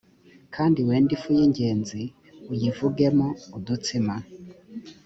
kandi wende ifu y ingezi uyivugemo udutsima